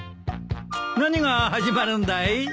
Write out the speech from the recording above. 何が始まるんだい？